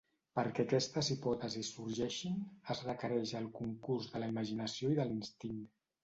Perquè aquestes hipòtesis sorgeixin es requereix el concurs de la imaginació i de l'instint.